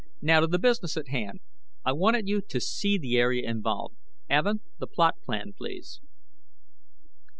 Now, to the business at hand. I wanted you to see the area involved. Evin, the plot plan, please."